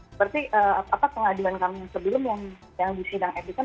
seperti pengaduan kami sebelum yang disidangkan